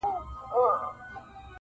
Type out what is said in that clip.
په لوګیو، سرو لمبو دوړو کي ورک دی -